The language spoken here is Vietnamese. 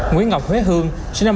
nguyễn ngọc huế hương